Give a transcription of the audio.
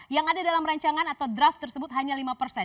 yang ada dalam rancangan atau draft tersebut hanya lima persen